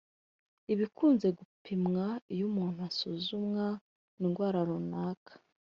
ibikunze gupimwa iyo umuntu asuzumwa indwara runaka